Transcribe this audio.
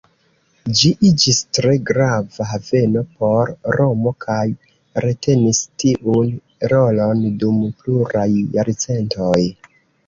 Ĝi iĝis tre grava haveno por Romo kaj retenis tiun rolon dum pluraj jarcentoj.